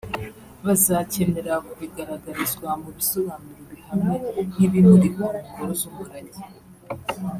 bazakenera kubigaragarizwa mu bisobanuro bihamye nk’ibimurikwa mu ngoro z’umurage